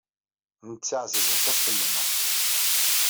Netta ɛziz aṭas fell-aneɣ.